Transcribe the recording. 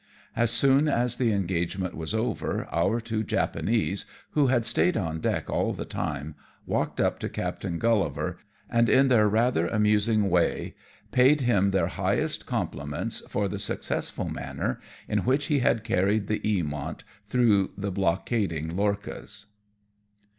As soon as the engagement was over, our two Japanese, who had stayed on deck all the time, walked up to Captain Gullivar, and in their rather amusing way paid him their highest compliments for the successful manner in which he had carried the Eamont through the blockading lorchas.